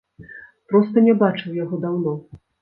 Проста не бачыў яго даўно.